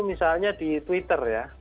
misalnya di twitter ya